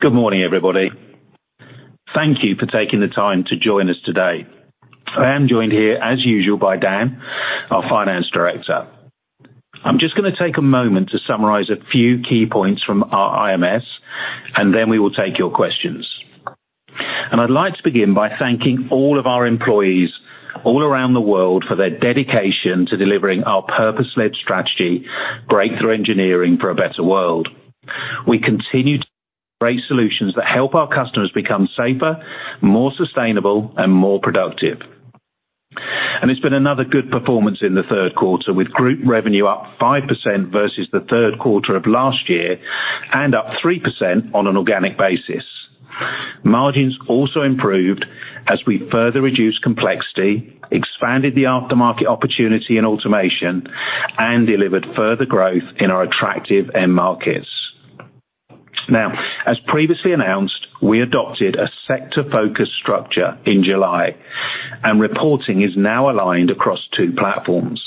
Good morning, everybody. Thank you for taking the time to join us today. I am joined here, as usual, by Dan, our Finance Director. I'm just gonna take a moment to summarize a few key points from our IMS, and then we will take your questions. I'd like to begin by thanking all of our employees all around the world for their dedication to delivering our purpose-led strategy, breakthrough engineering for a better world. We continue to create solutions that help our customers become safer, more sustainable and more productive. It's been another good performance in the third quarter, with group revenue up 5% versus the third quarter of last year, and up 3% on an organic basis. Margins also improved as we further reduced complexity, expanded the aftermarket opportunity in automation, and delivered further growth in our attractive end markets. Now, as previously announced, we adopted a sector-focused structure in July, and reporting is now aligned across two platforms.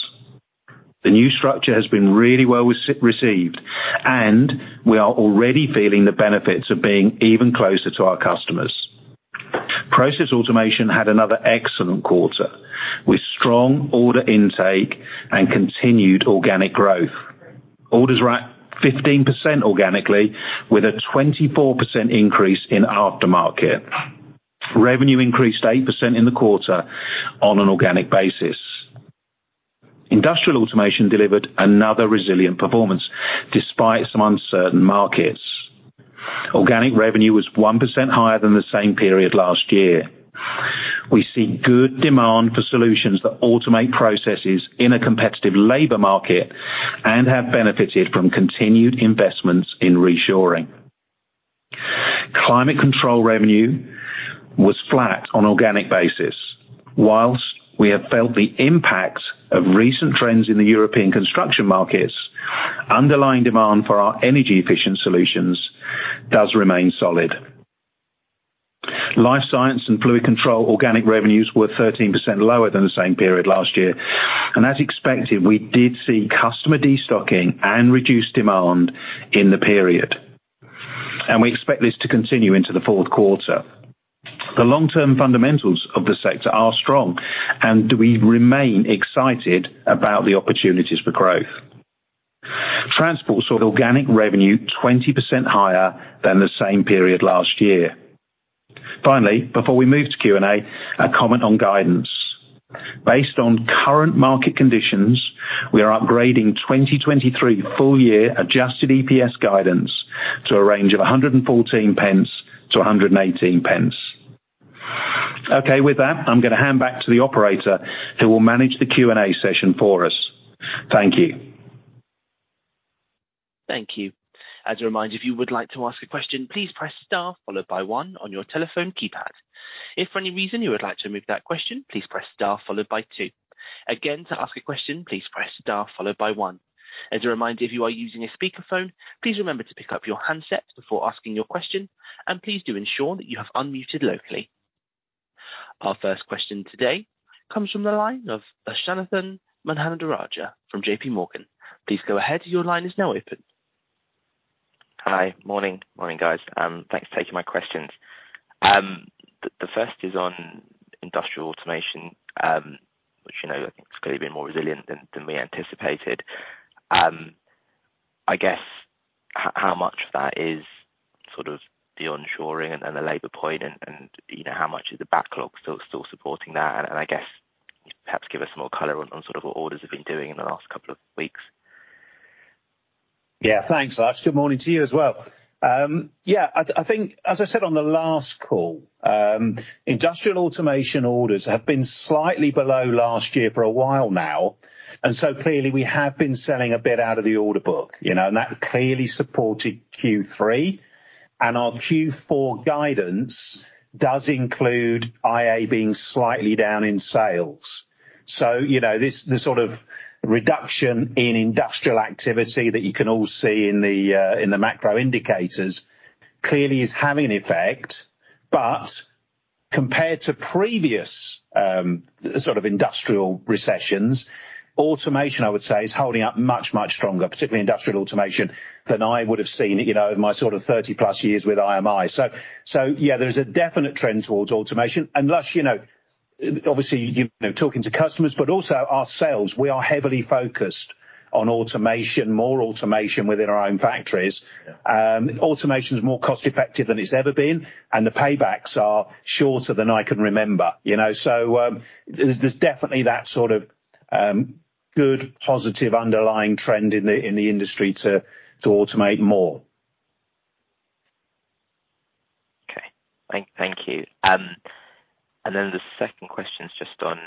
The new structure has been really well received, and we are already feeling the benefits of being even closer to our customers. Process Automation had another excellent quarter, with strong order intake and continued organic growth. Orders were up 15% organically, with a 24% increase in aftermarket. Revenue increased 8% in the quarter on an organic basis. Industrial Automation delivered another resilient performance despite some uncertain markets. Organic revenue was 1% higher than the same period last year. We see good demand for solutions that automate processes in a competitive labor market and have benefited from continued investments in reshoring. Climate Control revenue was flat on organic basis. While we have felt the impact of recent trends in the European construction markets, underlying demand for our energy efficient solutions does remain solid. Life Science and Fluid Control organic revenues were 13% lower than the same period last year, and as expected, we did see customer destocking and reduced demand in the period, and we expect this to continue into the fourth quarter. The long-term fundamentals of the sector are strong, and we remain excited about the opportunities for growth. Transport saw organic revenue 20% higher than the same period last year. Finally, before we move to Q&A, a comment on guidance. Based on current market conditions, we are upgrading 2023 full year adjusted EPS guidance to a range of 1.14-1.18. Okay, with that, I'm gonna hand back to the operator, who will manage the Q&A session for us. Thank you. Thank you. As a reminder, if you would like to ask a question, please press Star followed by one on your telephone keypad. If for any reason you would like to remove that question, please press Star followed by two. Again, to ask a question, please press Star followed by one. As a reminder, if you are using a speakerphone, please remember to pick up your handset before asking your question, and please do ensure that you have unmuted locally. Our first question today comes from the line of Lushanthan Mahendrarajah from JPMorgan. Please go ahead. Your line is now open. Hi. Morning. Morning, guys. Thanks for taking my questions. The first is on Industrial Automation, which, you know, I think is clearly been more resilient than we anticipated. I guess how much of that is sort of the onshoring and the labor point and you know, how much of the backlog still supporting that? And I guess perhaps give us more color on what orders have been doing in the last couple of weeks. Yeah, thanks, Lush. Good morning to you as well. Yeah, I think as I said on the last call, Industrial Automation orders have been slightly below last year for a while now, and so clearly we have been selling a bit out of the order book, you know, and that clearly supported Q3, and our Q4 guidance does include IA being slightly down in sales. So, you know, this sort of reduction in industrial activity that you can all see in the macro indicators, clearly is having an effect, but compared to previous sort of industrial recessions, automation, I would say, is holding up much, much stronger, particularly Industrial Automation, than I would have seen, you know, in my sort of 30+ years with IMI. So, yeah, there is a definite trend towards automation. And Lush, you know, obviously, you know, talking to customers, but also ourselves, we are heavily focused on automation, more automation within our own factories. Automation is more cost effective than it's ever been, and the paybacks are shorter than I can remember, you know? So, there's definitely that sort of good, positive, underlying trend in the industry to automate more. Okay. Thank you. And then the second question is just on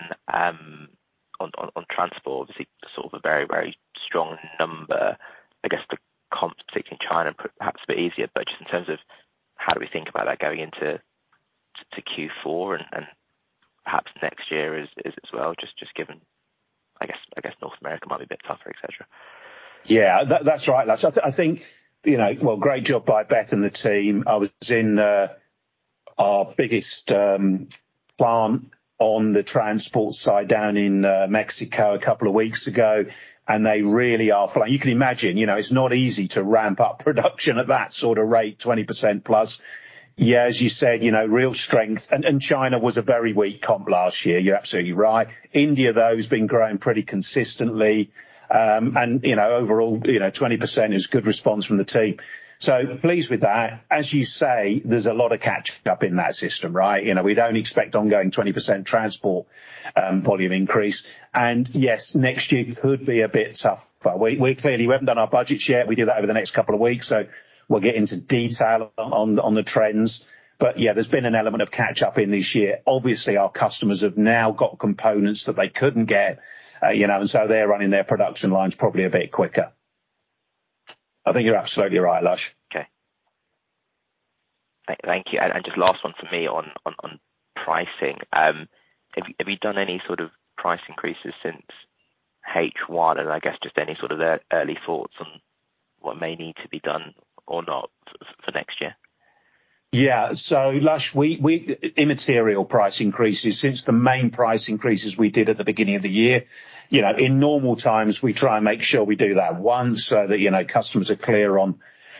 Transport. Obviously, sort of a very, very strong number. I guess the comp, particularly in China, perhaps a bit easier, but just in terms of how do we think about that going into Q4 and perhaps next year as well, just given, I guess North America might be a bit tougher, et cetera. Yeah, that, that's right, Lush. I, I think, you know, well, great job by Beth and the team. I was in our biggest plant on the Transport side down in Mexico a couple of weeks ago, and they really are flying. You can imagine, you know, it's not easy to ramp up production at that sort of rate, 20%+. Yeah, as you said, you know, real strength, and, and China was a very weak comp last year. You're absolutely right. India, though, has been growing pretty consistently, and, you know, overall, you know, 20% is good response from the team. So pleased with that. As you say, there's a lot of catch up in that system, right? You know, we don't expect ongoing 20% Transport volume increase, and yes, next year could be a bit tough, but we clearly haven't done our budgets yet. We do that over the next couple of weeks, so we'll get into detail on the trends. But yeah, there's been an element of catch up in this year. Obviously, our customers have now got components that they couldn't get, you know, and so they're running their production lines probably a bit quicker. I think you're absolutely right, Lush. Okay. Thank you, and just last one for me on pricing. Have you done any sort of price increases since H1? And I guess just any sort of early thoughts on what may need to be done or not for next year? Yeah. So, Lush, we immaterial price increases since the main price increases we did at the beginning of the year. You know, in normal times, we try and make sure we do that once, so that, you know, customers are clear on,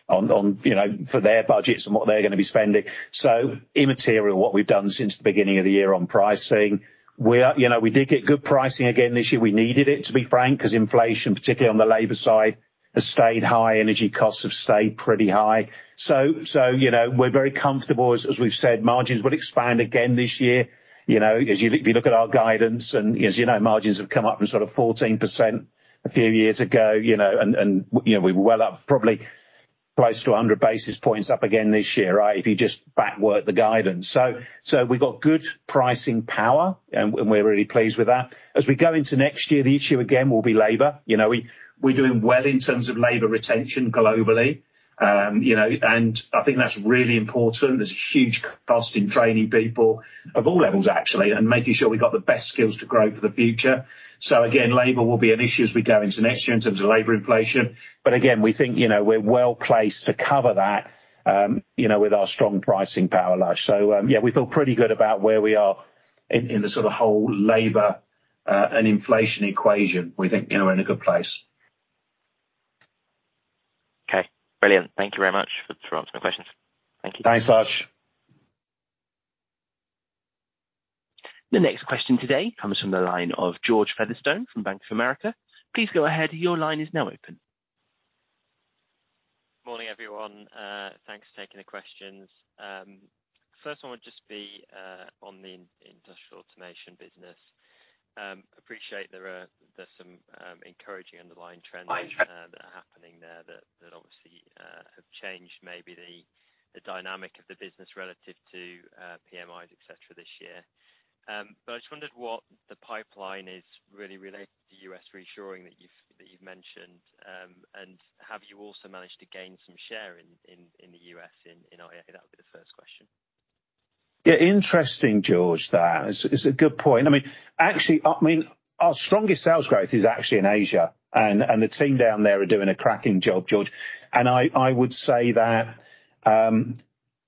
you know, for their budgets and what they're gonna be spending. So immaterial what we've done since the beginning of the year on pricing. We are... You know, we did get good pricing again this year. We needed it, to be frank, 'cause inflation, particularly on the labor side, has stayed high, energy costs have stayed pretty high. So, you know, we're very comfortable. As we've said, margins will expand again this year. You know, as you, if you look at our guidance, and as you know, margins have come up from sort of 14% a few years ago, you know, and, and, you know, we're well up, probably close to 100 basis points up again this year, right? If you just back work the guidance. So, so we've got good pricing power, and, and we're really pleased with that. As we go into next year, the issue again will be labor. You know, we, we're doing well in terms of labor retention globally. You know, and I think that's really important. There's a huge cost in training people of all levels, actually, and making sure we've got the best skills to grow for the future. So again, labor will be an issue as we go into next year in terms of labor inflation, but again, we think, you know, we're well placed to cover that, you know, with our strong pricing power, Lush. So, yeah, we feel pretty good about where we are in the sort of whole labor and inflation equation. We think we're in a good place. Okay, brilliant. Thank you very much for answering my questions. Thank you. Thanks, Lush. The next question today comes from the line of George Featherstone from Bank of America. Please go ahead. Your line is now open. Morning, everyone. Thanks for taking the questions. First one would just be on the Industrial Automation business. Appreciate there's some encouraging underlying trends- Right that are happening there that, that obviously, have changed maybe the, the dynamic of the business relative to, PMIs, et cetera, this year. But I just wondered what the pipeline is really related to US reshoring that you've, that you've mentioned, and have you also managed to gain some share in, in, in the US in IA? That would be the first question. Yeah. Interesting, George, that. It's a good point. I mean, actually, I mean, our strongest sales growth is actually in Asia, and the team down there are doing a cracking job, George, and I would say that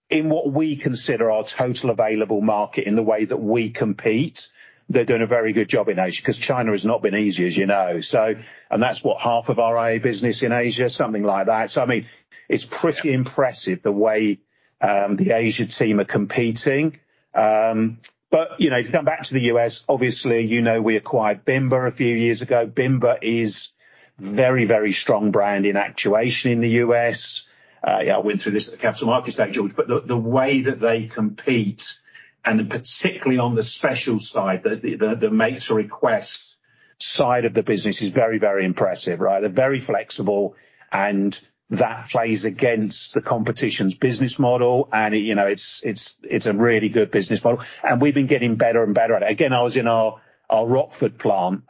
in what we consider our total available market in the way that we compete, they're doing a very good job in Asia, 'cause China has not been easy, as you know. So, and that's what, half of our IA business in Asia? Something like that. So, I mean, it's pretty impressive the way the Asia team are competing. But, you know, if you come back to the U.S., obviously, you know, we acquired Bimba a few years ago. Bimba is very, very strong brand in actuation in the U.S. Yeah, I went through this at the capital markets day, George, but the way that they compete, and particularly on the special side, the make-to-request side of the business is very, very impressive, right? They're very flexible, and that plays against the competition's business model, and, you know, it's a really good business model, and we've been getting better and better at it. Again, I was in our Rockford plant,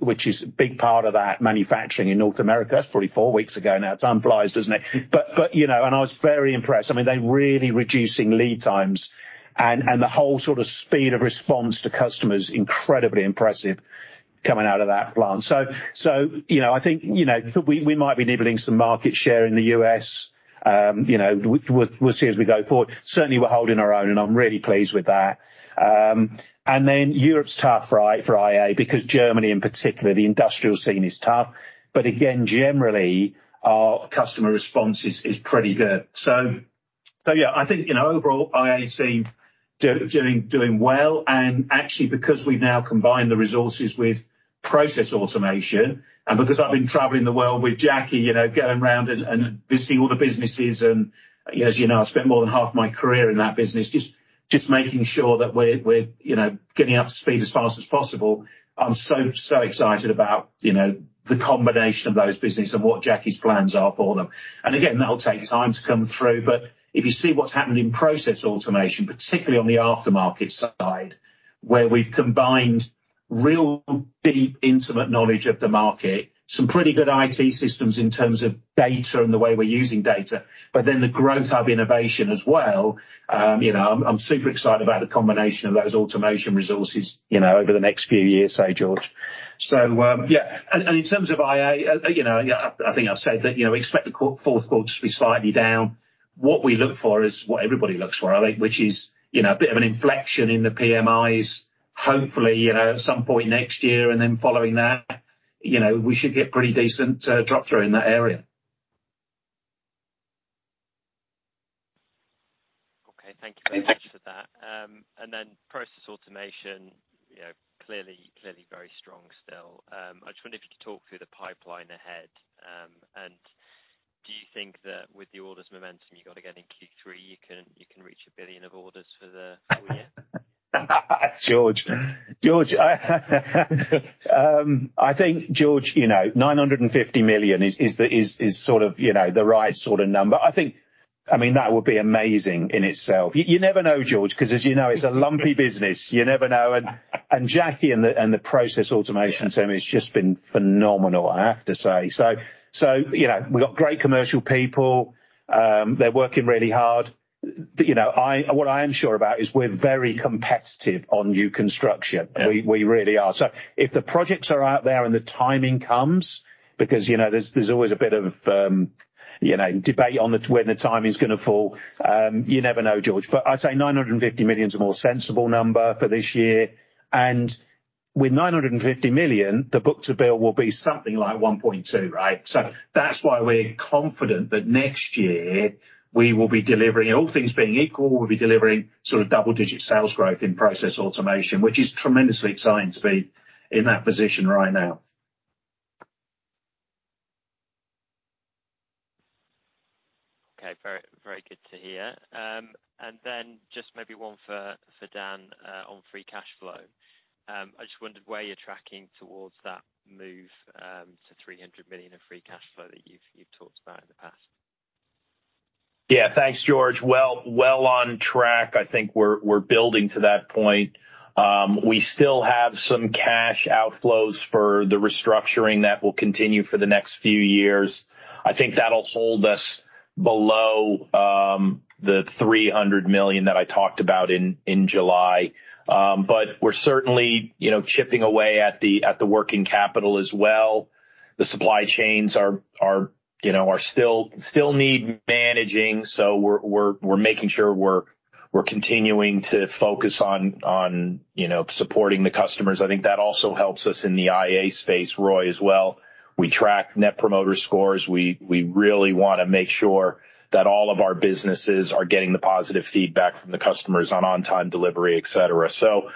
which is a big part of that manufacturing in North America. That's probably four weeks ago now. Time flies, doesn't it? But, you know, and I was very impressed. I mean, they're really reducing lead times, and the whole sort of speed of response to customers, incredibly impressive coming out of that plant. So, you know, I think, you know, we might be nibbling some market share in the U.S. You know, we'll see as we go forward. Certainly, we're holding our own, and I'm really pleased with that. And then Europe's tough, right, for IA, because Germany in particular, the industrial scene is tough, but again, generally, our customer response is pretty good. So yeah, I think, you know, overall, IA team doing well, and actually, because we've now combined the resources with Process Automation and because I've been traveling the world with Jackie, you know, going round and visiting all the businesses, and, as you know, I've spent more than half my career in that business, just making sure that we're, you know, getting up to speed as fast as possible. I'm so, so excited about, you know, the combination of those businesses and what Jackie's plans are for them. And again, that'll take time to come through, but if you see what's happened in Process Automation, particularly on the aftermarket side, where we've combined real deep, intimate knowledge of the market, some pretty good IT systems in terms of data and the way we're using data, but then the Growth Hub innovation as well, you know, I'm, I'm super excited about the combination of those automation resources, you know, over the next few years, say, George. So, yeah, and, and in terms of IA, you know, I, I think I've said that, you know, we expect the fourth quarter to be slightly down. What we look for is what everybody looks for, I think, which is, you know, a bit of an inflection in the PMIs, hopefully, you know, at some point next year, and then following that, you know, we should get pretty decent drop through in that area. Okay. Thank you very much for that. And then Process Automation, you know, clearly, clearly very strong still. I just wonder if you could talk through the pipeline ahead. And do you think that with the orders momentum you got again in Q3, you can, you can reach 1 billion of orders for the full year? George, George, I think, George, you know, 950 million is sort of, you know, the right sort of number. I think, I mean, that would be amazing in itself. You never know, George, 'cause as you know, it's a lumpy business. You never know. And Jackie and the Process Automation team has just been phenomenal, I have to say. So, you know, we've got great commercial people. They're working really hard. But, you know, what I am sure about is we're very competitive on new construction. Yeah. We really are. So if the projects are out there and the timing comes, because, you know, there's always a bit of, you know, debate on the when the timing is gonna fall, you never know, George. But I'd say 950 million is a more sensible number for this year, and with 950 million, the book-to-bill will be something like 1.2, right? So that's why we're confident that next year we will be delivering, all things being equal, we'll be delivering sort of double-digit sales growth in Process Automation, which is tremendously exciting to be in that position right now. Okay. Very, very good to hear. And then just maybe one for Dan on free cash flow. I just wondered where you're tracking towards that move to 300 million of free cash flow that you've talked about in the past. Yeah. Thanks, George. Well, well on track. I think we're, we're building to that point. We still have some cash outflows for the restructuring that will continue for the next few years. I think that'll hold us below the 300 million that I talked about in July. But we're certainly, you know, chipping away at the working capital as well. The supply chains are, you know, still need managing, so we're making sure we're continuing to focus on supporting the customers. I think that also helps us in the IA space, Roy, as well. We track net promoter scores. We really wanna make sure that all of our businesses are getting the positive feedback from the customers on on-time delivery, et cetera. So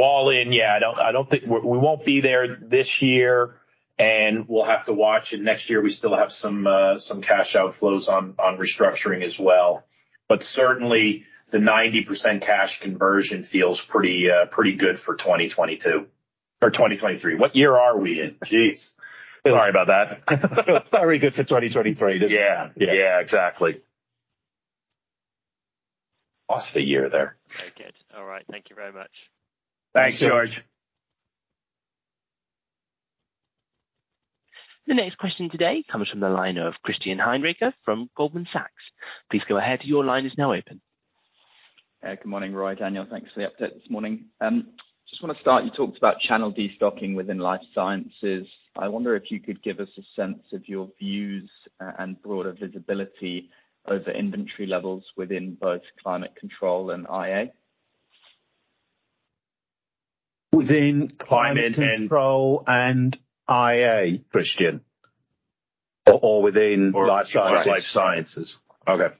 all in, yeah, I don't think we're, we won't be there this year, and we'll have to watch it next year. We still have some cash outflows on restructuring as well, but certainly the 90% cash conversion feels pretty good for 2022, or 2023. What year are we in? Geez! Sorry about that. Very good for 2023. Yeah. Yeah. Yeah, exactly. Lost a year there. Okay. All right. Thank you very much. Thanks, George. Thanks. The next question today comes from the line of Christian Hinderaker from Goldman Sachs. Please go ahead. Your line is now open. Good morning, Roy, Daniel. Thanks for the update this morning. Just wanna start, you talked about channel destocking within Life Sciences. I wonder if you could give us a sense of your views and broader visibility over inventory levels within both Climate Control and IA. Within Climate Control- Climate and- -and IA, Christian, or, or within Life Sciences? Or Life Sciences. Okay.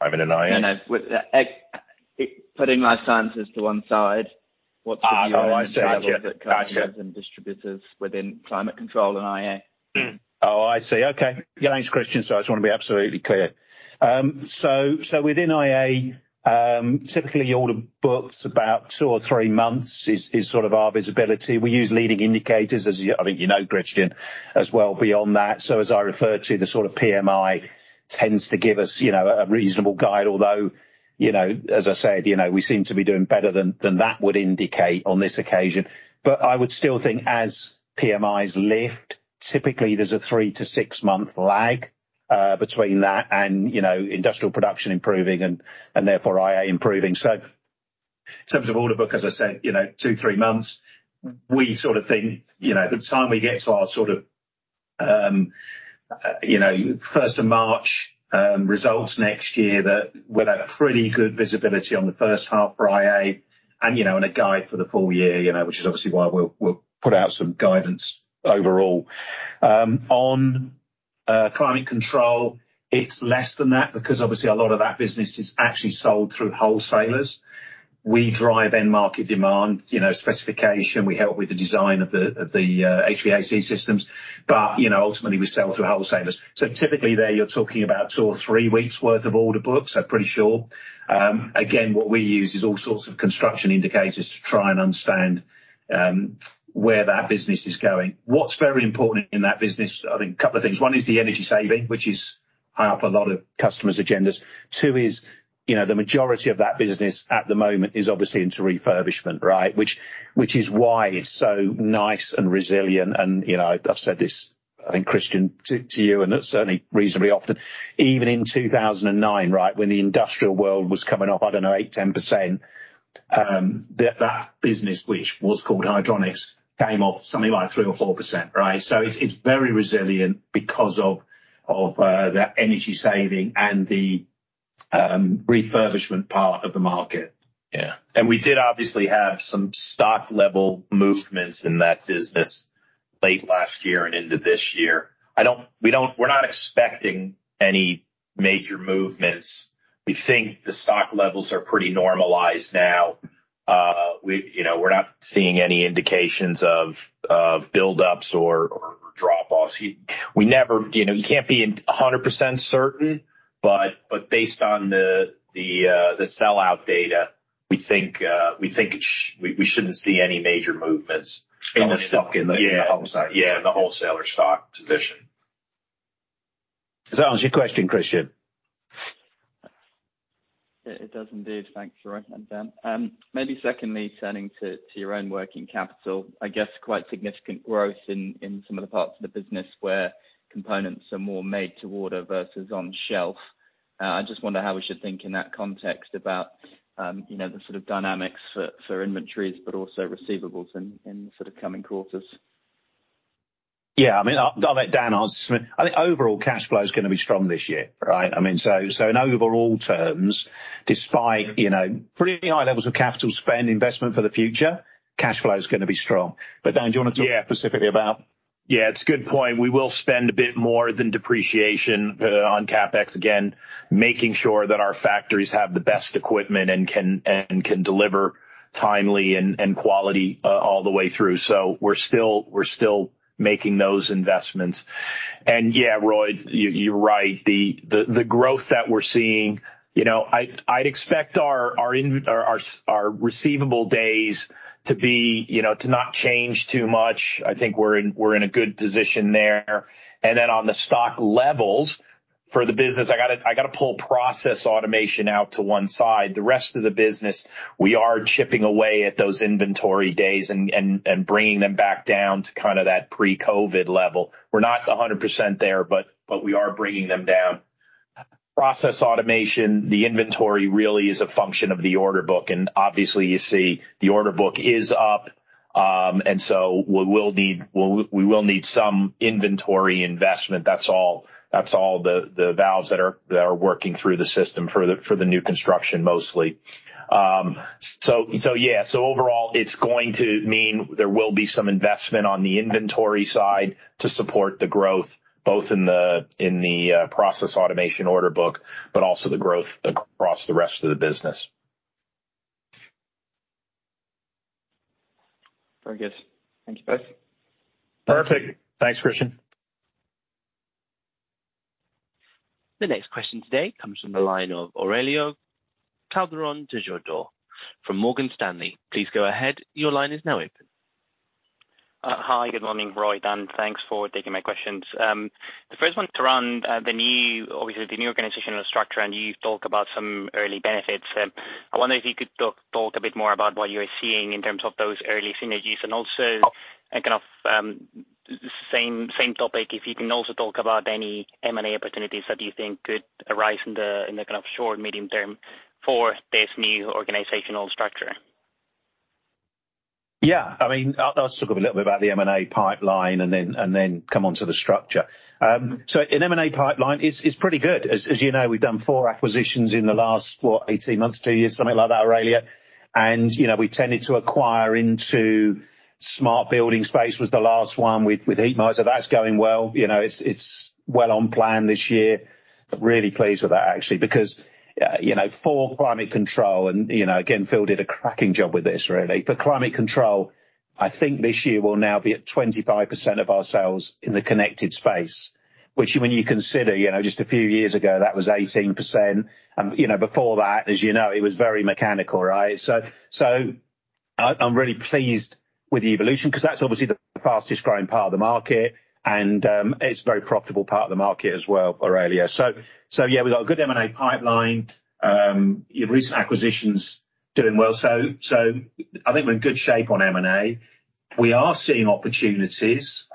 Climate and IA? You know, with the putting Life Sciences to one side, what's the view- Ah, oh, I see. Gotcha. Distributors within Climate Control and IA? Oh, I see. Okay. Thanks, Christian. So I just want to be absolutely clear. So, so within IA, typically order books about two or three months is, is sort of our visibility. We use leading indicators, as I think you know, Christian, as well beyond that. So as I referred to, the sort of PMI tends to give us, you know, a reasonable guide, although, you know, as I said, you know, we seem to be doing better than, than that would indicate on this occasion. But I would still think as PMIs lift, typically there's a three to six-month lag, between that and, you know, industrial production improving and, and therefore IA improving. So in terms of order book, as I said, you know, two to three months, we sort of think, you know, by the time we get to our sort of, you know, first of March results next year, that we'll have pretty good visibility on the first half for IA and, you know, and a guide for the full year, you know, which is obviously why we'll, we'll put out some guidance overall. On Climate Control, it's less than that because obviously a lot of that business is actually sold through wholesalers. We drive end market demand, you know, specification, we help with the design of the HVAC systems, but, you know, ultimately we sell through wholesalers. So typically there you're talking about two to three weeks worth of order book, so pretty sure. Again, what we use is all sorts of construction indicators to try and understand where that business is going. What's very important in that business, I think couple of things. One is the energy saving, which is high up on a lot of customers' agendas. Two is, you know, the majority of that business at the moment is obviously into refurbishment, right? Which, which is why it's so nice and resilient, and, you know, I've said this. I think, Christian, to you, and certainly reasonably often, even in 2009, right, when the industrial world was coming off, I don't know, 8%-10%, that business, which was called Hydronics, came off something like 3%-4%, right? So it's very resilient because of the energy saving and the refurbishment part of the market. Yeah. We did obviously have some stock level movements in that business late last year and into this year. We're not expecting any major movements. We think the stock levels are pretty normalized now. We, you know, we're not seeing any indications of build-ups or drop-offs. We never, you know, you can't be 100% certain, but based on the sellout data, we think we shouldn't see any major movements. In the stock, in the wholesaler. Yeah, in the wholesaler stock position. Does that answer your question, Christian? It does indeed. Thanks, Roy and Dan. Maybe secondly, turning to your own working capital, I guess quite significant growth in some of the parts of the business where components are more made to order versus on shelf. I just wonder how we should think in that context about, you know, the sort of dynamics for inventories, but also receivables in the sort of coming quarters. Yeah, I mean, I'll let Dan answer. I think overall cashflow is gonna be strong this year, right? I mean, so, so in overall terms, despite, you know, pretty high levels of capital spend investment for the future, cashflow is gonna be strong. But, Dan, do you want to talk specifically about? Yeah, it's a good point. We will spend a bit more than depreciation on CapEx, again, making sure that our factories have the best equipment and can deliver timely and quality all the way through. So we're still making those investments. And yeah, Roy, you're right. The growth that we're seeing, you know, I'd expect our receivable days to be, you know, to not change too much. I think we're in a good position there. And then on the stock levels for the business, I gotta pull Process Automation out to one side. The rest of the business, we are chipping away at those inventory days and bringing them back down to kind of that pre-COVID level. We're not 100% there, but we are bringing them down. Process Automation, the inventory really is a function of the order book, and obviously, you see the order book is up. And so we will need some inventory investment. That's all the valves that are working through the system for the new construction, mostly. So yeah. So overall, it's going to mean there will be some investment on the inventory side to support the growth, both in the Process Automation order book, but also the growth across the rest of the business. Very good. Thank you, both. Perfect. Thanks, Christian. The next question today comes from the line of Aurelio Calderon Tejedor from Morgan Stanley. Please go ahead. Your line is now open. Hi, good morning, Roy, Dan. Thanks for taking my questions. The first one to run, the new, obviously, the new organizational structure, and you've talked about some early benefits. I wonder if you could talk a bit more about what you are seeing in terms of those early synergies and also and kind of, same topic, if you can also talk about any M&A opportunities that you think could arise in the, in the kind of short, medium term for this new organizational structure. Yeah, I mean, I'll talk a little bit about the M&A pipeline and then come on to the structure. So in M&A pipeline, it's pretty good. As you know, we've done four acquisitions in the last, what, 18 months, two years, something like that, Aurelio. And, you know, we tended to acquire into smart building space was the last one with Heatmiser. That's going well. You know, it's well on plan this year. Really pleased with that, actually, because, you know, for Climate Control, and, you know, again, Phil did a cracking job with this, really. For Climate Control, I think this year we'll now be at 25% of our sales in the connected space, which when you consider, you know, just a few years ago, that was 18%. You know, before that, as you know, it was very mechanical, right? So, so I, I'm really pleased with the evolution, because that's obviously the fastest growing part of the market, and, it's a very profitable part of the market as well, Aurelio. So, so yeah, we've got a good M&A pipeline. Your recent acquisitions doing well. So, so I think we're in good shape on M&A. We are seeing opportunities,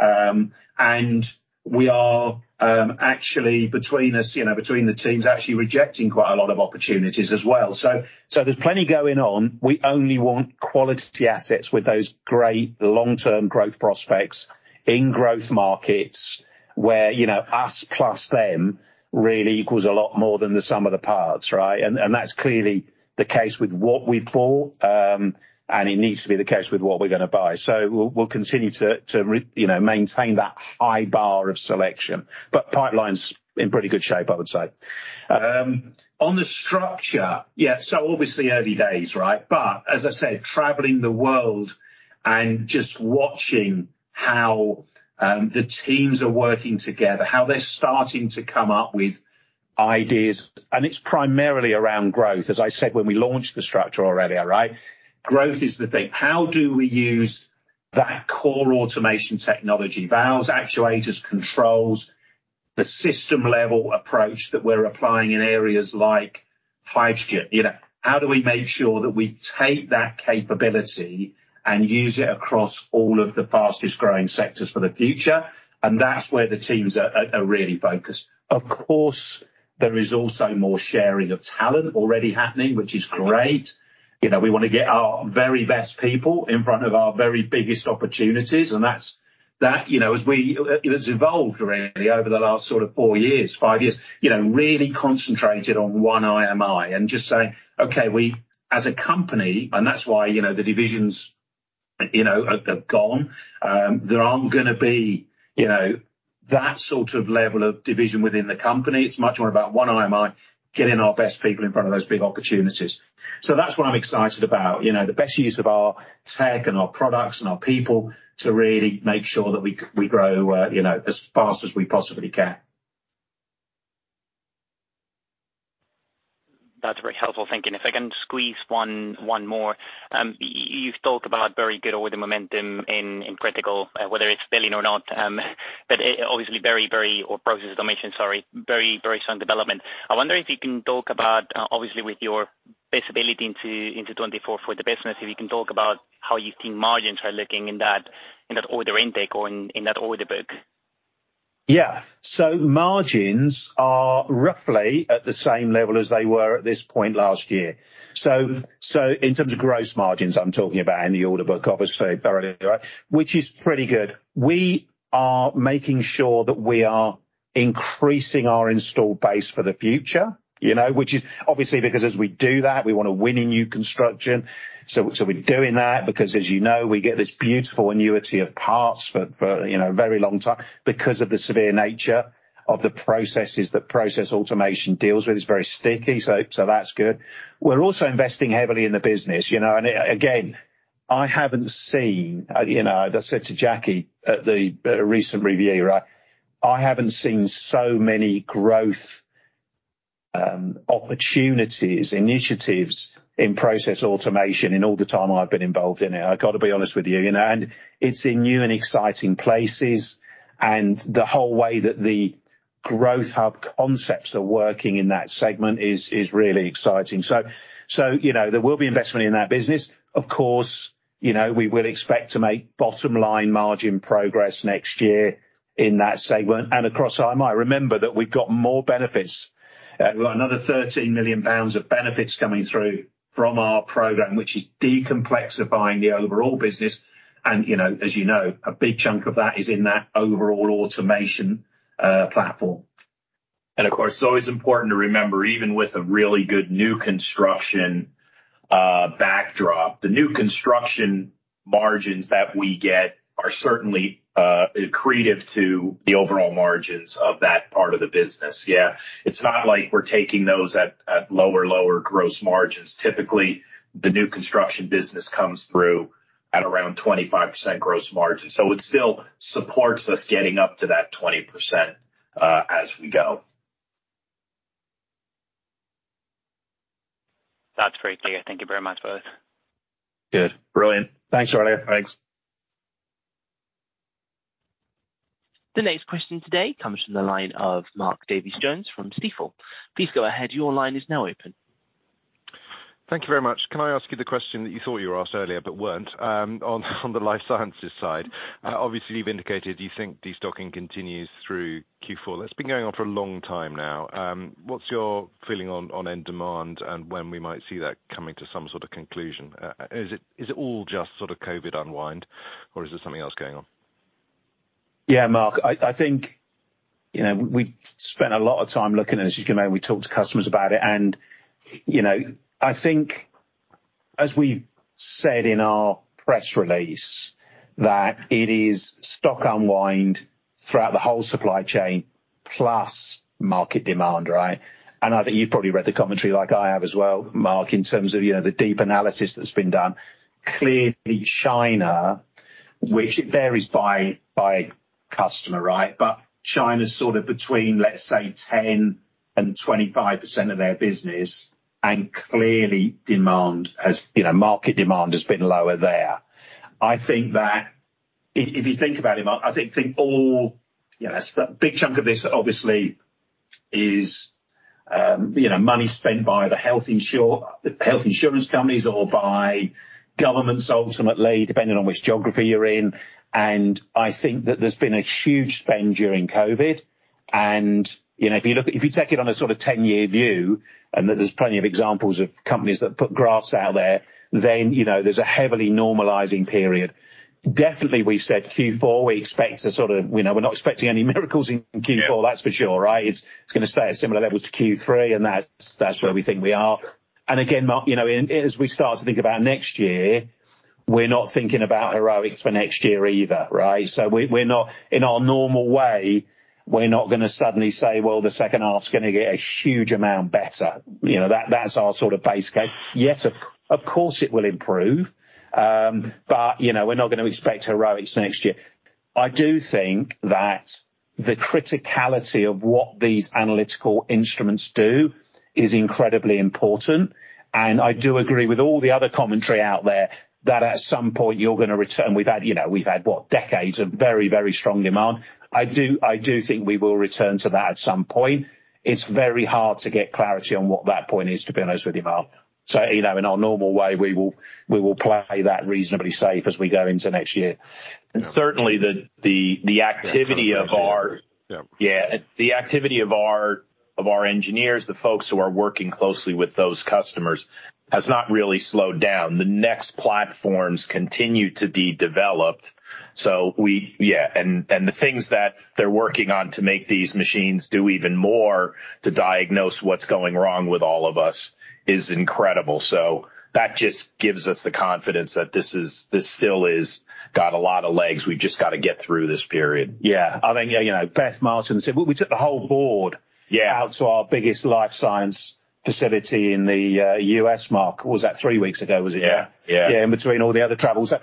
and we are, actually between us, you know, between the teams, actually rejecting quite a lot of opportunities as well. So, so there's plenty going on. We only want quality assets with those great long-term growth prospects in growth markets where, you know, us plus them really equals a lot more than the sum of the parts, right? And, and that's clearly the case with what we've bought. And it needs to be the case with what we're gonna buy. So we'll continue to you know, maintain that high bar of selection. But pipeline's in pretty good shape, I would say. On the structure, yeah, so obviously early days, right? But as I said, traveling the world and just watching how the teams are working together, how they're starting to come up with ideas, and it's primarily around growth. As I said, when we launched the structure already, all right? Growth is the thing. How do we use that core automation technology, valves, actuators, the system-level approach that we're applying in areas like hydrogen. You know, how do we make sure that we take that capability and use it across all of the fastest-growing sectors for the future? And that's where the teams are really focused. Of course, there is also more sharing of talent already happening, which is great. You know, we wanna get our very best people in front of our very biggest opportunities, and that's, you know, as it has evolved really over the last sort of four years, five years, you know, really concentrated on one IMI and just saying, "Okay, we as a company," and that's why, you know, the divisions, you know, have gone. There aren't gonna be, you know, that sort of level of division within the company. It's much more about one IMI, getting our best people in front of those big opportunities. So that's what I'm excited about, you know, the best use of our tech and our products and our people to really make sure that we grow, you know, as fast as we possibly can. That's very helpful thinking. If I can squeeze one more. You've talked about very good order momentum in critical, whether it's billing or not, but it obviously very very order Process Automation, sorry, very very strong development. I wonder if you can talk about, obviously with your visibility into 2024 for the business, if you can talk about how you think margins are looking in that order intake or in that order book. Yeah. So margins are roughly at the same level as they were at this point last year. So, so in terms of gross margins, I'm talking about in the order book, obviously, earlier, which is pretty good. We are making sure that we are increasing our installed base for the future, you know, which is obviously because as we do that, we want to win in new construction. So, so we're doing that because, as you know, we get this beautiful annuity of parts for, you know, a very long time because of the severe nature of the processes that Process Automation deals with. It's very sticky, so, so that's good. We're also investing heavily in the business, you know, and again, I haven't seen, you know, as I said to Jackie at the recent review, right? I haven't seen so many growth opportunities, initiatives in Process Automation in all the time I've been involved in it. I've got to be honest with you, you know, and it's in new and exciting places, and the whole way that the Growth Hub concepts are working in that segment is really exciting. So, you know, there will be investment in that business. Of course, you know, we will expect to make bottom line margin progress next year in that segment and across IMI. Remember that we've got more benefits. We've got another 13 million pounds of benefits coming through from our program, which is de-complexifying the overall business, and, you know, as you know, a big chunk of that is in that overall automation platform. And of course, it's always important to remember, even with a really good new construction backdrop, the new construction margins that we get are certainly accretive to the overall margins of that part of the business. Yeah, it's not like we're taking those at, at lower, lower gross margins. Typically, the new construction business comes through at around 25% gross margin, so it still supports us getting up to that 20%, as we go. That's great to hear. Thank you very much, both. Good. Brilliant. Thanks, earlier. Thanks. The next question today comes from the line of Mark Davies Jones from Stifel. Please go ahead. Your line is now open. Thank you very much. Can I ask you the question that you thought you were asked earlier, but weren't, on the Life Sciences side? Obviously, you've indicated you think destocking continues through Q4. That's been going on for a long time now. What's your feeling on end demand and when we might see that coming to some sort of conclusion? Is it all just sort of COVID unwind, or is there something else going on? Yeah, Mark, I think, you know, we've spent a lot of time looking at it. As you know, we talked to customers about it, and, you know, I think, as we've said in our press release, that it is stock unwind throughout the whole supply chain, plus market demand, right? And I think you've probably read the commentary like I have as well, Mark, in terms of, you know, the deep analysis that's been done. Clearly China, which it varies by customer, right? But China's sort of between, let's say, 10%-25% of their business, and clearly, demand has, you know, market demand has been lower there. I think that if you think about it, Mark, I think all... You know, a big chunk of this obviously is, you know, money spent by the health insurance companies or by governments, ultimately, depending on which geography you're in. And I think that there's been a huge spend during COVID, and, you know, if you look at- if you take it on a sort of ten-year view, and there's plenty of examples of companies that put graphs out there, then, you know, there's a heavily normalizing period. Definitely, we've said Q4, we expect to sort of, you know, we're not expecting any miracles in Q4- Yeah.... that's for sure, right? It's, it's gonna stay at similar levels to Q3, and that's, that's where we think we are. And again, Mark, you know, and as we start to think about next year, we're not thinking about heroics for next year either, right? So we-we're not, in our normal way, we're not gonna suddenly say, "Well, the second half's gonna get a huge amount better." You know, that, that's our sort of base case. Yes, of, of course, it will improve, but, you know, we're not gonna expect heroics next year. I do think that the criticality of what these analytical instruments do is incredibly important, and I do agree with all the other commentary out there, that at some point you're gonna return. We've had, you know, we've had, what, decades of very, very strong demand. I do, I do think we will return to that at some point. It's very hard to get clarity on what that point is, to be honest with you, Mark. So, you know, in our normal way, we will, we will play that reasonably safe as we go into next year. And certainly the activity of our- Yeah. Yeah, the activity of our, of our engineers, the folks who are working closely with those customers, has not really slowed down. The next platforms continue to be developed, so we... Yeah, and, and the things that they're working on to make these machines do even more to diagnose what's going wrong with all of us is incredible. So that just gives us the confidence that this is, this still is, got a lot of legs. We've just got to get through this period. Yeah. I think, you know, Beth Martin said... We, we took the whole board- Yeah out to our biggest life science facility in the U.S., Mark. Was that three weeks ago, was it? Yeah, yeah. Yeah, in between all the other travels. So,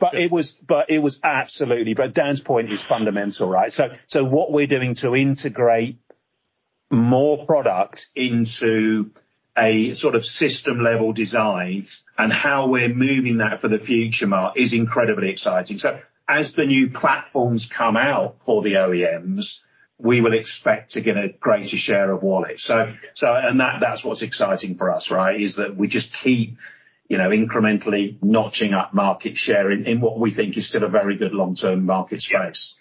but it was absolutely, but Dan's point is fundamental, right? So, what we're doing to integrate more product into a sort of system-level design and how we're moving that for the future, Mark, is incredibly exciting. So as the new platforms come out for the OEMs, we will expect to get a greater share of wallet. So, and that's what's exciting for us, right? Is that we just keep, you know, incrementally notching up market share in what we think is still a very good long-term market space.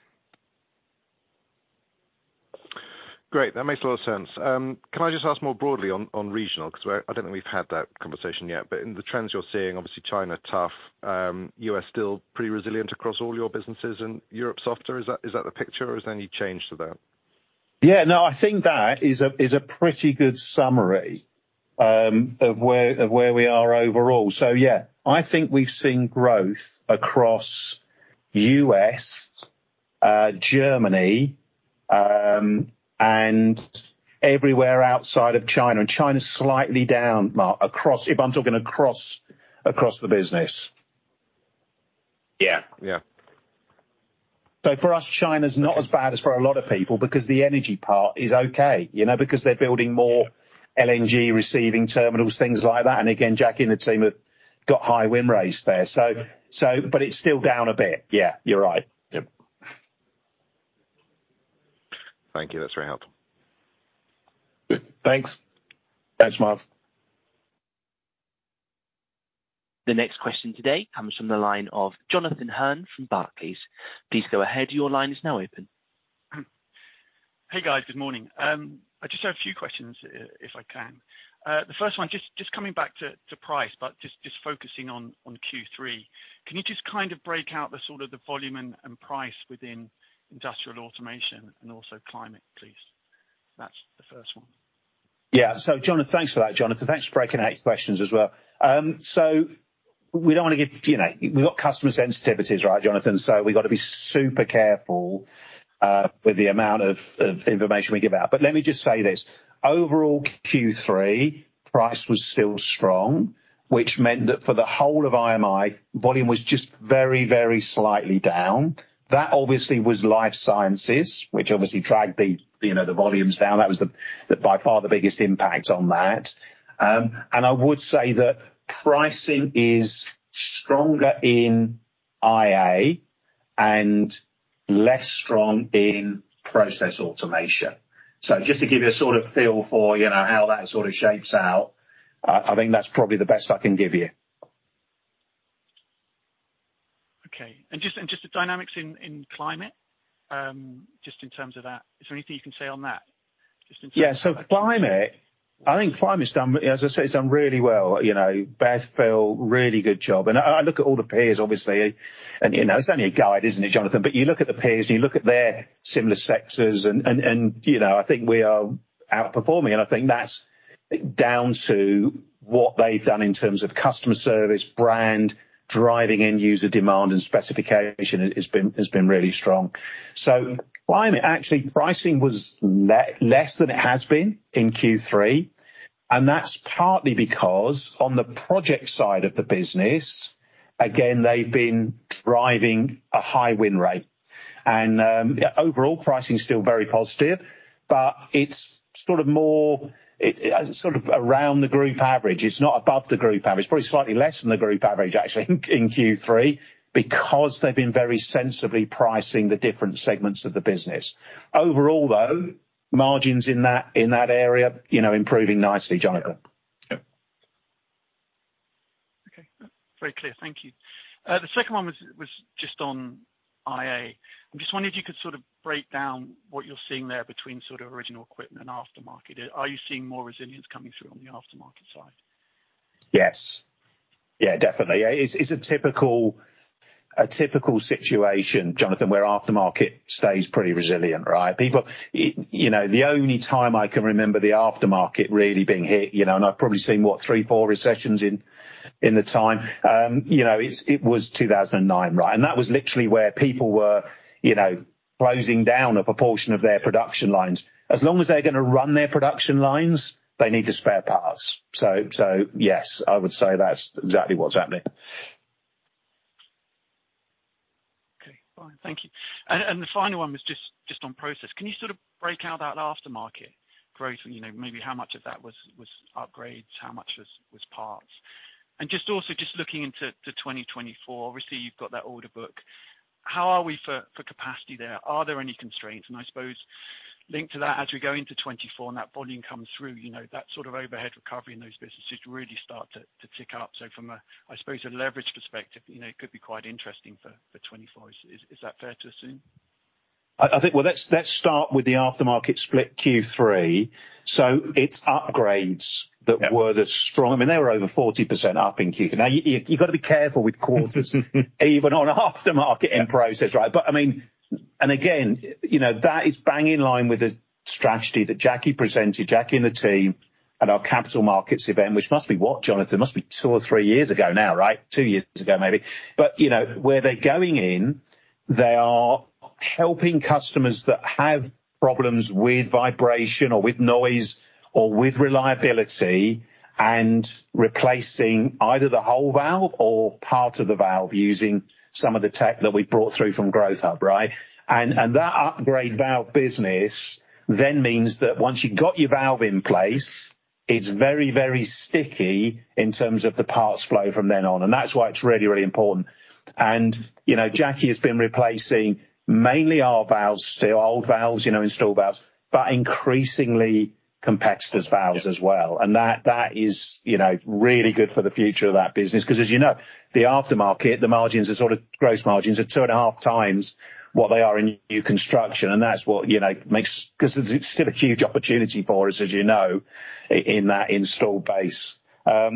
Great, that makes a lot of sense. Can I just ask more broadly on, on regional? Because we're, I don't think we've had that conversation yet, but in the trends you're seeing, obviously, China, tough, U.S. still pretty resilient across all your businesses, and Europe softer. Is that, is that the picture, or is there any change to that? Yeah, no, I think that is a pretty good summary of where we are overall. So yeah, I think we've seen growth across U.S., Germany, and everywhere outside of China, and China's slightly down, Mark, across the business if I'm talking across the business. Yeah. Yeah. So for us, China's not as bad as for a lot of people because the energy part is okay, you know, because they're building more LNG-receiving terminals, things like that. And again, Jackie and the team have got high win rates there, so, so, but it's still down a bit. Yeah, you're right. Yep. Thank you. That's very helpful. Thanks. Thanks, Mark. The next question today comes from the line of Jonathan Hurn from Barclays. Please go ahead. Your line is now open. Hey, guys. Good morning. I just have a few questions, if I can. The first one, just coming back to price, but just focusing on Q3, can you just kind of break out the sort of the volume and price within Industrial Automation and also climate, please? That's the first one. Yeah. So Jonathan... Thanks for that, Jonathan. Thanks for breaking out your questions as well. So we don't want to give, you know, we've got customer sensitivities, right, Jonathan? So we've got to be super careful with the amount of information we give out. But let me just say this: Overall, Q3, price was still strong, which meant that for the whole of IMI, volume was just very, very slightly down. That obviously was Life Sciences, which obviously dragged the, you know, the volumes down. That was the by far the biggest impact on that. And I would say that pricing is stronger in IA and less strong in Process Automation. So just to give you a sort of feel for, you know, how that sort of shapes out, I think that's probably the best I can give you. Okay. And just the dynamics in climate, just in terms of that, is there anything you can say on that? Just in terms- Yeah, so climate, I think climate's done, as I say, it's done really well. You know, Beth, Phil, really good job. And I look at all the peers, obviously, and, you know, it's only a guide, isn't it, Jonathan? But you look at the peers, and you look at their similar sectors, and, you know, I think we are outperforming, and I think that's down to what they've done in terms of customer service, brand, driving end user demand and specification has been really strong. So climate, actually, pricing was less than it has been in Q3, and that's partly because on the project side of the business, again, they've been driving a high win rate. And overall, pricing is still very positive, but it's sort of more around the group average. It's not above the group average. It's probably slightly less than the group average, actually, in Q3, because they've been very sensibly pricing the different segments of the business. Overall, though, margins in that, in that area, you know, improving nicely, Jonathan. Yep. Okay, very clear. Thank you. The second one was just on IA. I'm just wondering if you could sort of break down what you're seeing there between sort of original equipment and aftermarket. Are you seeing more resilience coming through on the aftermarket side? Yes. Yeah, definitely. It's a typical situation, Jonathan, where aftermarket stays pretty resilient, right? People, you know, the only time I can remember the aftermarket really being hit, you know, and I've probably seen what, three, four recessions in the time, you know, it was 2009, right? And that was literally where people were, you know, closing down a proportion of their production lines. As long as they're gonna run their production lines, they need the spare parts. So, yes, I would say that's exactly what's happening. Okay, fine. Thank you. And the final one was just on process. Can you sort of break out that aftermarket growth and, you know, maybe how much of that was upgrades, how much was parts? And just also looking into 2024, obviously, you've got that order book. How are we for capacity there? Are there any constraints, and I suppose linked to that, as we go into 2024 and that volume comes through, you know, that sort of overhead recovery in those businesses really start to tick up. So from a, I suppose, a leverage perspective, you know, it could be quite interesting for 2024. Is that fair to assume? I think... Well, let's start with the aftermarket split Q3. So it's upgrades- Yeah. That were the strong. I mean, they were over 40% up in Q3. Now, you've got to be careful with quarters, even on aftermarket and process, right? But, I mean, and again, you know, that is bang in line with the strategy that Jackie presented, Jackie and the team, at our capital markets event, which must be what, Jonathan? Must be two or three years ago now, right? Two years ago, maybe. But, you know, where they're going in, they are helping customers that have problems with vibration or with noise or with reliability and replacing either the whole valve or part of the valve using some of the tech that we brought through from Growth Hub, right? That upgrade valve business then means that once you've got your valve in place, it's very, very sticky in terms of the parts flow from then on, and that's why it's really, really important. You know, Jackie has been replacing mainly our valves, the old valves, you know, installed valves, but increasingly competitors' valves as well. And that, that is, you know, really good for the future of that business, because, as you know, the aftermarket, the margins are sort of, gross margins are two and a half times what they are in new construction, and that's what, you know, makes, because it's still a huge opportunity for us, as you know, in that install base. So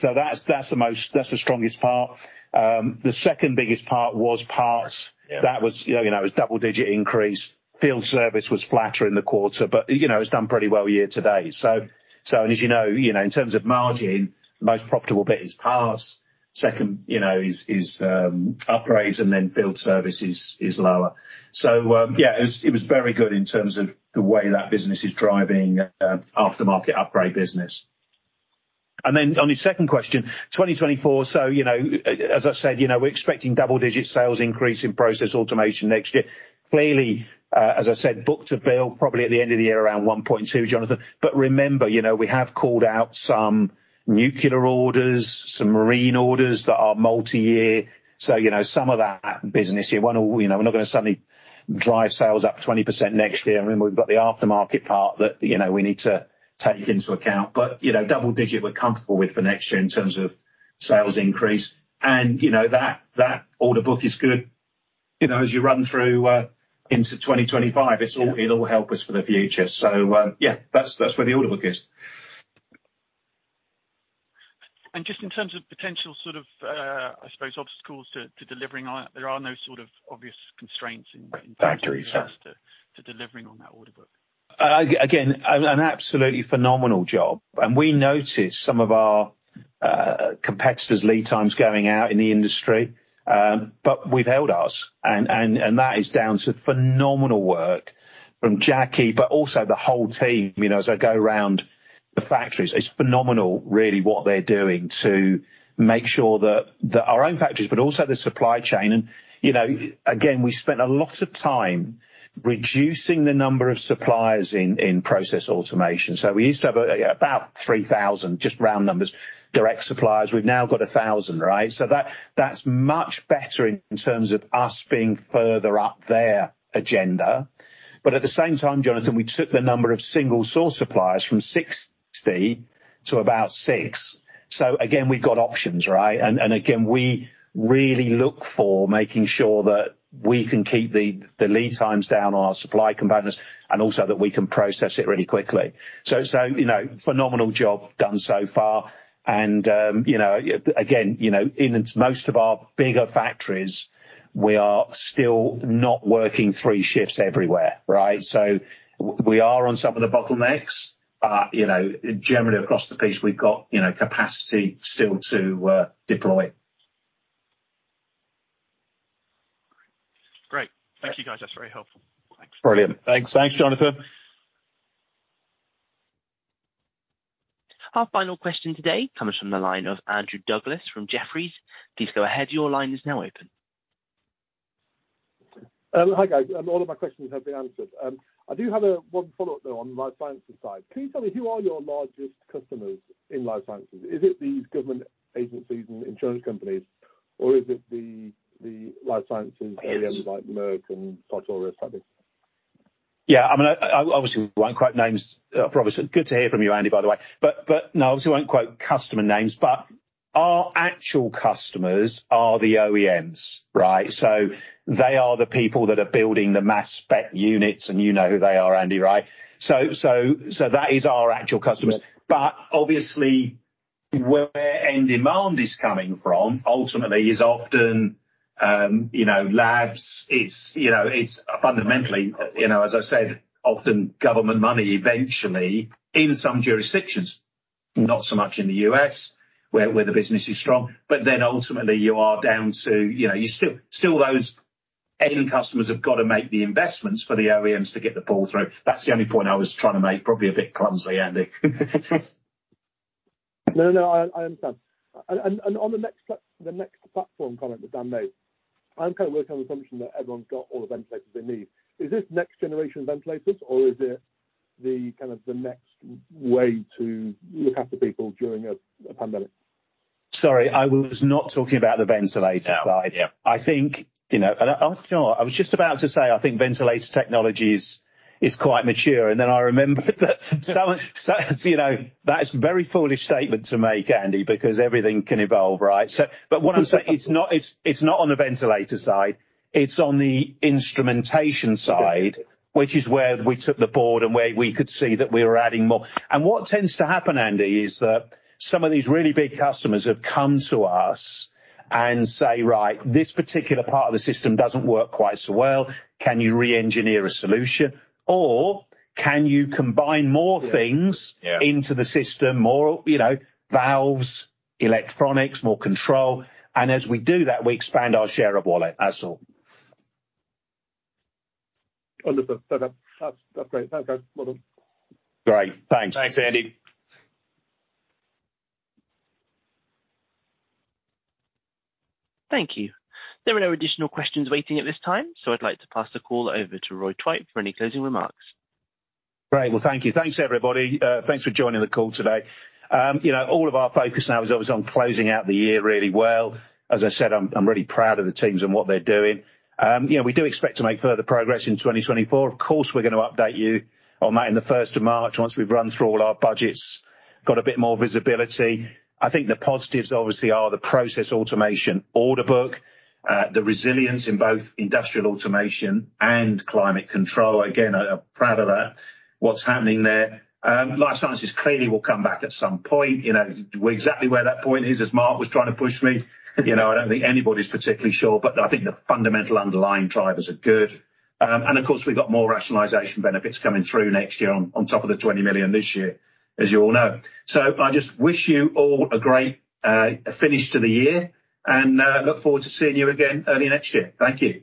that's the most, that's the strongest part. The second biggest part was parts. Yeah. That was, you know, it was double-digit increase. Field service was flatter in the quarter, but, you know, it's done pretty well year to date. So and as you know, you know, in terms of margin, most profitable bit is parts. Second, you know, is upgrades, and then field service is lower. So, yeah, it was very good in terms of the way that business is driving aftermarket upgrade business. And then on the second question, 2024, so, you know, as I said, you know, we're expecting double-digit sales increase in Process Automation next year. Clearly, as I said, book to bill, probably at the end of the year, around 1.2, Jonathan. But remember, you know, we have called out some nuclear orders, some marine orders that are multi-year. So, you know, some of that business, you want to... You know, we're not gonna suddenly drive sales up 20% next year. I mean, we've got the aftermarket part that, you know, we need to take into account, but, you know, double digit we're comfortable with for next year in terms of sales increase. And, you know, that, that order book is good. You know, as you run through into 2025, it's all- Yeah. -it'll help us for the future. So, yeah, that's, that's where the order book is. Just in terms of potential sort of, I suppose, obstacles to delivering on it, there are no sort of obvious constraints in- Factory. Sure. to delivering on that order book. Again, an absolutely phenomenal job, and we noticed some of our competitors' lead times going out in the industry. But we've held ours and that is down to phenomenal work from Jackie, but also the whole team. You know, as I go around the factories, it's phenomenal, really, what they're doing to make sure that our own factories, but also the supply chain. And, you know, again, we spent a lot of time reducing the number of suppliers in Process Automation. So we used to have about 3,000, just round numbers, direct suppliers. We've now got 1,000, right? So that, that's much better in terms of us being further up their agenda. But at the same time, Jonathan, we took the number of single-source suppliers from 60 to about 6. So again, we've got options, right? And again, we really look for making sure that we can keep the lead times down on our supply components and also that we can process it really quickly. So, you know, phenomenal job done so far, and, you know, again, you know, in most of our bigger factories, we are still not working three shifts everywhere, right? So we are on some of the bottlenecks, but, you know, generally across the piece, we've got, you know, capacity still to deploy. Great. Thank you, guys. That's very helpful. Thanks. Brilliant. Thanks. Thanks, Jonathan. Our final question today comes from the line of Andrew Douglas from Jefferies. Please go ahead. Your line is now open. Hi, guys. All of my questions have been answered. I do have one follow-up, though, on Life Sciences side. Can you tell me who are your largest customers in Life Sciences? Is it the government agencies and insurance companies, or is it the Life Sciences areas like Merck and Sartorius, something? Yeah, I mean, I obviously, we won't quote names. Obviously, good to hear from you, Andy, by the way. But no, obviously, won't quote customer names, but our actual customers are the OEMs, right? So they are the people that are building the mass spec units, and you know who they are, Andy, right? So that is our actual customers. But obviously, where end demand is coming from, ultimately, is often you know, labs. It's you know, it's fundamentally you know, as I said, often government money eventually in some jurisdictions, not so much in the U.S., where the business is strong, but then ultimately you are down to you know, you still those end customers have got to make the investments for the OEMs to get the ball through. That's the only point I was trying to make. Probably a bit clumsy, Andy. No, no, I understand. And on the next platform comment that Dan made, I'm kind of working on the assumption that everyone's got all the ventilators they need. Is this next generation ventilators, or is it the kind of the next way to look after people during a pandemic? Sorry, I was not talking about the ventilator side. Yeah. I think, you know, and I—oh, no, I was just about to say, I think ventilator technology is quite mature, and then I remembered that some, you know, that is a very foolish statement to make, Andy, because everything can evolve, right? So, but what I'm saying, it's not on the ventilator side, it's on the instrumentation side, which is where we took the board and where we could see that we were adding more. And what tends to happen, Andy, is that some of these really big customers have come to us and say, "Right, this particular part of the system doesn't work quite so well. Can you re-engineer a solution, or can you combine more things- Yeah. into the system? More, you know, valves, electronics, more control. And as we do that, we expand our share of wallet, that's all. Wonderful. So that, that's, that's great. Okay. Well done. Great. Thanks. Thanks, Andy. Thank you. There are no additional questions waiting at this time, so I'd like to pass the call over to Roy Twite for any closing remarks. Great. Well, thank you. Thanks, everybody. Thanks for joining the call today. You know, all of our focus now is obviously on closing out the year really well. As I said, I'm, I'm really proud of the teams and what they're doing. You know, we do expect to make further progress in 2024. Of course, we're gonna update you on that in the first of March once we've run through all our budgets, got a bit more visibility. I think the positives, obviously, are the Process Automation order book, the resilience in both Industrial Automation and Climate Control. Again, I, I'm proud of that, what's happening there. Life Sciences clearly will come back at some point. You know, exactly where that point is, as Mark was trying to push me, you know, I don't think anybody's particularly sure, but I think the fundamental underlying drivers are good. And of course, we've got more rationalization benefits coming through next year on, on top of the 20 million this year, as you all know. So I just wish you all a great finish to the year and look forward to seeing you again early next year. Thank you.